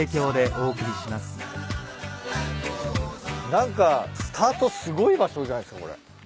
何かスタートすごい場所じゃないっすかこれ。